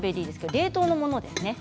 冷凍のものですね。